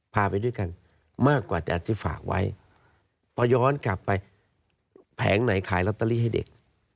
พาไปด้วยกันมากกว่าจะที่ฝากไว้พอย้อนกลับไปแผงไหนขายลอตเตอรี่ให้เด็ก